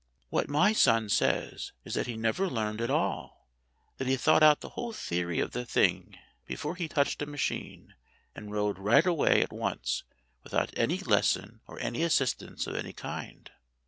"What my son says is that he never learned at all ; that he thought out the whole theory of the thing before he touched a machine, and rode right away at once without any lesson or any assistance of any kind."